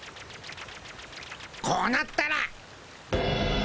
こうなったら。